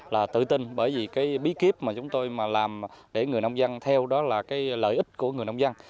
là tự tin bởi vì cái bí kíp mà chúng tôi mà làm để người nông dân theo đó là cái lợi ích của người nông dân